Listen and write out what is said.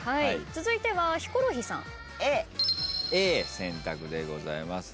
続いてはヒコロヒーさん。